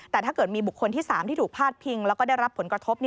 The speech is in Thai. แต่ถ้าเกิดมีบุคคลที่๓ที่ถูกพาดพิงแล้วก็ได้รับผลกระทบ